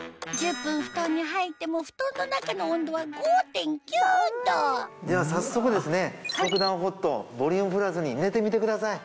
１０分布団に入っても布団の中の温度は５．９℃では早速ですね速暖Ｈｏｔボリュームプラスに寝てみてください。